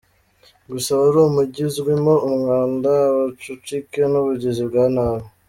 Gusa wari umujyi uzwimo umwanda, ubucucike n’ubugizi bwa nabi.